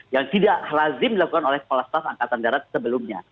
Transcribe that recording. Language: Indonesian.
yang tidak lazim dilakukan oleh polastas angkatan darat sebelumnya